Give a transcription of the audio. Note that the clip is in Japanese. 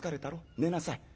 寝なさい。